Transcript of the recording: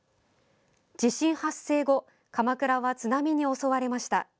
地震発生後鎌倉は津波に襲われました。